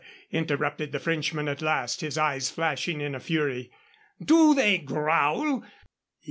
_" interrupted the Frenchman at last, his eyes flashing in a fury. "Do they growl?